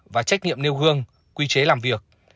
và trách nhiệm nêu gương quy chế làm việc